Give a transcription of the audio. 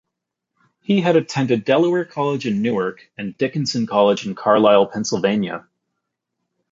He had attended Delaware College in Newark and Dickinson College in Carlisle, Pennsylvania.